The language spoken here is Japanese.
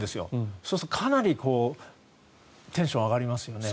そうすると、かなりテンション上がりますよね。